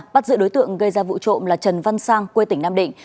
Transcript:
bắt giữ đối tượng gây ra vụ trộm là trần văn sang quê tỉnh nam định